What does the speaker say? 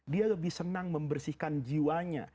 dia lebih senang membersihkan jiwanya